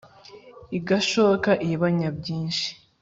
igashoka iy'abanyábyinshí